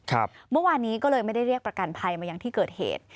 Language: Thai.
เมื่อวานนี้ก็เลยไม่ได้เรียกประกันภัยมายังที่เกิดเหตุ